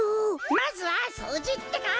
まずはそうじってか。